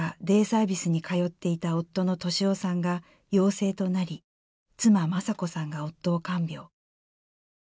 デイサービスに通っていた夫の敏夫さんが陽性となり妻雅子さんが夫を看病。